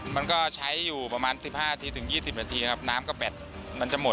มันก็ใช้อยู่ประมาณ๑๕นาทีถึง๒๐นาทีครับน้ำก็แปดมันจะหมด